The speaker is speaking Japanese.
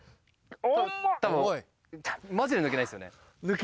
マジで抜けないですよね。